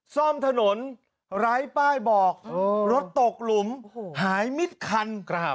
ซ่อมถนนไร้ป้ายบอกรถตกหลุมหายมิดคัน